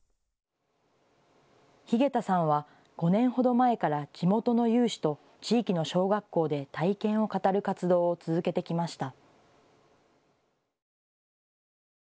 日下田さんは、５年ほど前から地元の有志と地域の小学校で体験を語る活動を続けてきました。